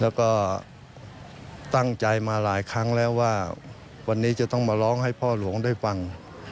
แล้วก็ตั้งใจมาหลายครั้งแล้วว่าวันนี้จะต้องมาร้องให้พ่อหลวงได้ฟัง